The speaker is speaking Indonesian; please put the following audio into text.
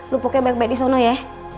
lo pokoknya baik baik disana ya